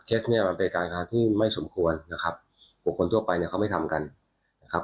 เนี้ยมันเป็นการทำงานที่ไม่สมควรนะครับบุคคลทั่วไปเนี่ยเขาไม่ทำกันนะครับ